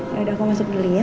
nah udah aku masuk dulu ya